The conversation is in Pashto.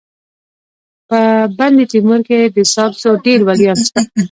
په بندتیمور کي د ساکزو ډير ولیان سته.